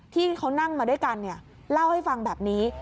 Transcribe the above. ที่เขานั่งมาด้วยกันเล่าให้ฟังแบบนี้